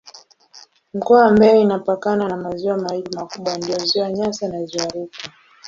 Mkoa wa Mbeya inapakana na maziwa mawili makubwa ndiyo Ziwa Nyasa na Ziwa Rukwa.